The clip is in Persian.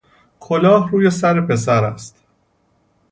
کلاه روی سر پسر است